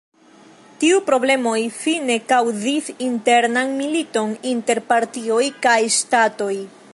Tiu problemoj fine kaŭzis internan militon inter partioj kaj ŝtatoj.